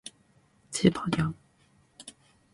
ジバニャン